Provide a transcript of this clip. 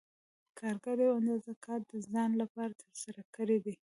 کارګر یوه اندازه کار د ځان لپاره ترسره کړی دی